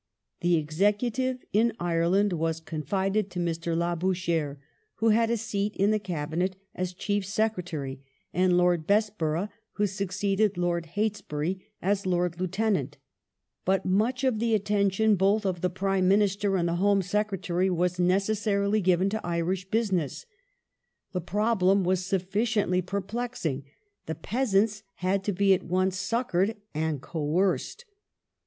The executive in q^ences Ireland was confided to Mr. Labouchere, who had a seat in the Cabinet as Chief Secretary, and Lord Bessborough who succeeded Lord Heytesbury as Lord Lieutenant ; but much of the attention both of the Prime Minister and the Home Secretary was necessarily given to Irish business. The problem was sufficiently peiplexing : the peasants had to be at once succoured and coerced.